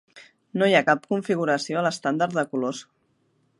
No hi ha cap configuració a l'estàndard de colors.